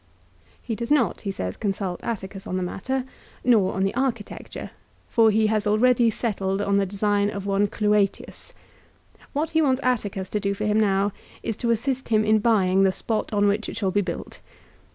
He does not, he says, consult Atticus on that matter, nor on the architecture ; for he has already settled on the design of one Cluatius. What he wants Atticus to do for him now is to assist him in buying the spot on which it shall be built.